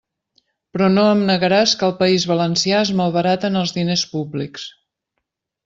Però no em negaràs que al País Valencià es malbaraten els diners públics.